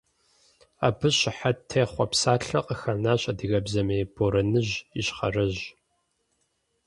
Абы щыхьэт техъуэ псалъэ къыхэнащ адыгэбзэми – «борэныжь», ищхъэрэжь.